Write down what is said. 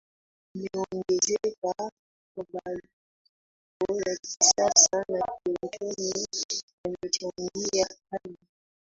imeongezeka Mabadiliko ya kisiasa na kiuchumi yamechangia hali